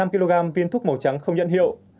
hai năm kg viên thuốc màu trắng không nhận hiệu